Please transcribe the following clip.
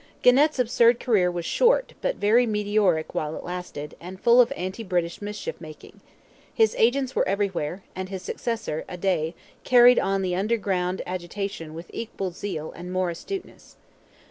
Genet's absurd career was short, but very meteoric while it lasted, and full of anti British mischief making. His agents were everywhere; and his successor, Adet, carried on the underground agitation with equal zeal and more astuteness.